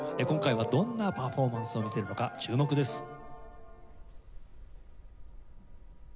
今回はどんなパフォーマンスを見せるのか注目です。